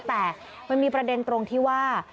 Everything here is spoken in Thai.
แต่มันมีประเด็นตรงที่ว่า